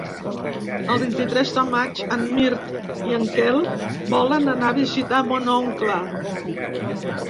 El vint-i-tres de maig en Mirt i en Quel volen anar a visitar mon oncle.